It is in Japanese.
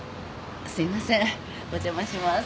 すいませんお邪魔します。